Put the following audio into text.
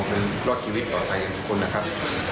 ช่วยรอดชีวิตต่อไปอย่างทุกคนนะครับ